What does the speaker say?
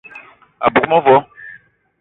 A bug mevo